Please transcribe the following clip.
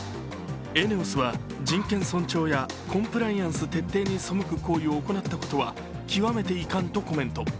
ＥＮＥＯＳは、人権尊重やコンプライアンス徹底に背く行為を行ったことは極めて遺憾とコメント。